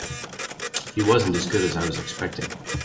He wasn't as good as I was expecting.